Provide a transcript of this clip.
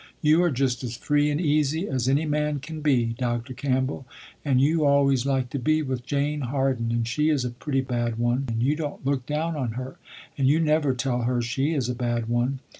You are just as free and easy as any man can be Dr. Campbell, and you always like to be with Jane Harden, and she is a pretty bad one and you don't look down on her and you never tell her she is a bad one.